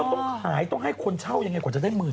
ต้องขายต้องให้คนเช่ายังไงกว่าจะได้หมื่น